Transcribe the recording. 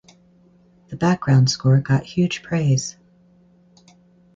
The background score got huge praise.